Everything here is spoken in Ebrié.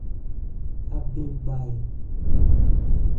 Abɛn gba ɛ ?